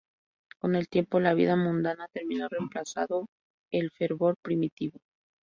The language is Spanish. Con el tiempo la vida mundana terminó reemplazado el fervor primitivo.